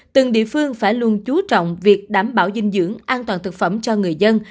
từng địa phương phải luôn chú trọng việc đảm bảo dinh dưỡng an toàn thực phẩm cho người dân